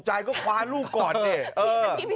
มาขวาลูกก่อนเนี่ย